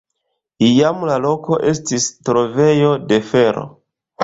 Iam la loko estis trovejo de fero.